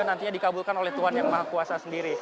dan juga nantinya dikabulkan oleh tuhan yang maha kuasa sendiri